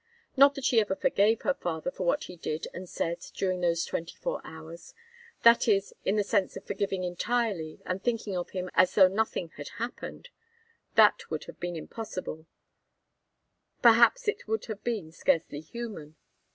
Not that she ever forgave her father for what he did and said during those twenty four hours that is, in the sense of forgiving entirely and thinking of him as though nothing had happened. That would have been impossible perhaps it would have been scarcely human.